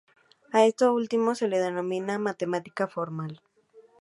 A esto último se lo denomina "matemática formal.